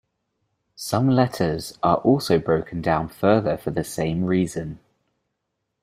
Some letters are also broken down further for the same reason.